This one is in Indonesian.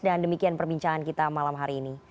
dan demikian perbincangan kita malam hari ini